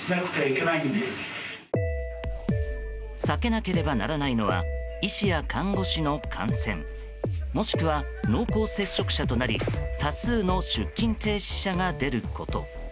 避けなければならないのは医師や看護師の感染もしくは濃厚接触者となり多数の出勤停止者が出ること。